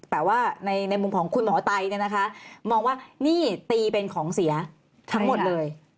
แต่ว่าในมุมของคุณหมอไตเนี่ยนะคะมองว่านี่ตีเป็นของเสียทั้งหมดเลย